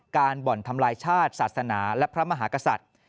บ่อนทำลายชาติศาสนาและพระมหากษัตริย์